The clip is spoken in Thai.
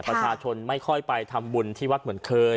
ประชาชนไม่ค่อยไปทำบุญที่วัดเหมือนเคย